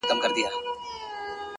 خو كله _ كله مي بيا _